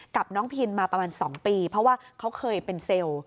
กับน้องพินมาประมาณ๒ปีเพราะว่าเขาเคยเป็นเซลล์